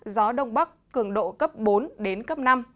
gió đông bắc cường độ cấp bốn đến cấp năm